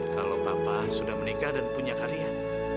kalau papa sudah meninggal dan punya kalian